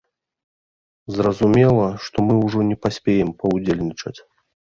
Зразумела, што мы ўжо не паспеем паўдзельнічаць.